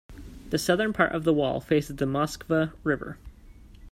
The southern part of the wall faces the Moskva River.